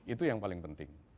itu yang paling penting